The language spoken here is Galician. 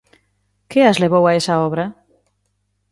Que as levou a esa obra?